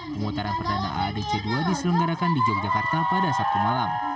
pemutaran perdana aadc dua diselenggarakan di yogyakarta pada sabtu malam